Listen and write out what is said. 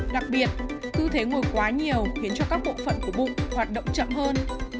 đặc biệt cứ thế ngồi quá nhiều khiến cho các bộ phận của bụng hoạt động chậm hơn